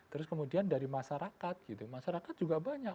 terus kemudian dari masyarakat gitu masyarakat juga banyak